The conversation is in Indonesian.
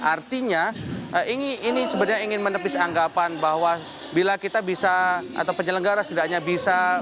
artinya ini sebenarnya ingin menepis anggapan bahwa bila kita bisa atau penyelenggara setidaknya bisa